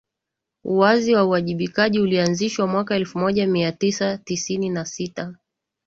uwazi na uwajibikaji ulianzishwa mwaka elfu moja mia tisa tisini na sita